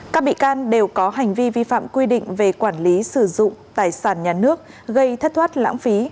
các bị can đều có hành vi vi phạm quy định về quản lý sử dụng tài sản nhà nước gây thất thoát lãng phí